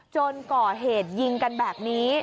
จนก่อเหตุยิงกันแบบนี้